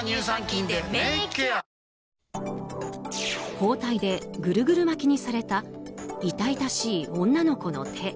包帯でぐるぐる巻きにされた痛々しい女の子の手。